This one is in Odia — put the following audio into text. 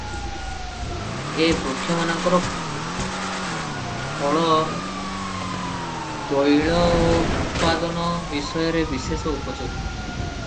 ଏ ବୃକ୍ଷମାନଙ୍କର ଫଳ ତୈଳୋତ୍ପାଦନ ବିଷୟରେ ବିଶେଷ ଉପଯୋଗୀ ।